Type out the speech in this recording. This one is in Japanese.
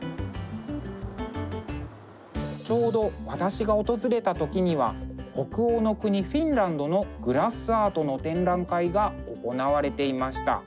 ちょうど私が訪れた時には北欧の国フィンランドのグラスアートの展覧会が行われていました。